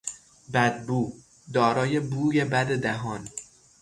بدبو، دارای بوی بد دهان